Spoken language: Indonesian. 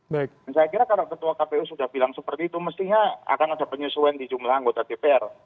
dan saya kira kalau ketua kpu sudah bilang seperti itu mestinya akan ada penyesuaian di jumlah anggota dprr